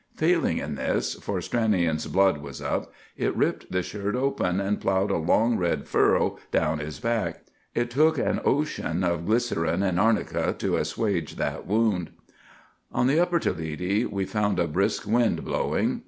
Failing in this,—for Stranion's blood was up,—it ripped the shirt open, and ploughed a long red furrow down his back. It took an ocean of glycerine and arnica to assuage that wound. On the upper Toledi we found a brisk wind blowing.